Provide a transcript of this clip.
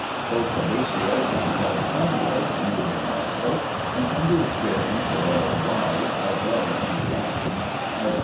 Both Fabricius and Coruncanius knew him also, and from the experience of their own lives, as well as from the action of P.